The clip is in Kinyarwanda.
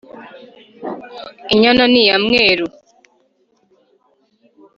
inyana ni iya mweru